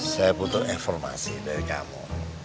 saya butuh informasi dari kamu